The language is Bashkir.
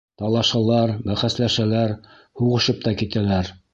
Талашалар, бәхәсләшәләр, һуғышып та китәләр.